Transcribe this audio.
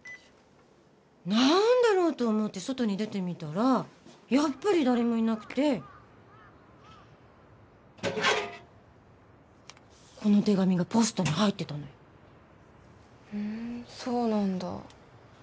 何だろうと思って外に出てみたらやっぱり誰もいなくてこの手紙がポストに入ってたのよふんそうなんだ